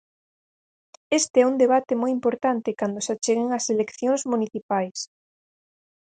Este é un debate moi importante cando se acheguen as eleccións municipais.